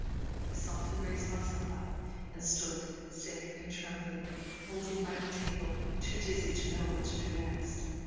I softly raised myself up, and stood sick and trembling, holding by the table, too dizzy to know what to do next.